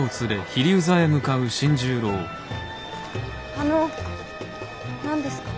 あの何ですか？